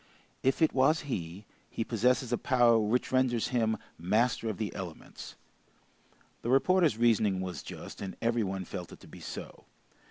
If it was he, he possesses a power which renders him master of the elements." The reporter's reasoning was just, and every one felt it to be so.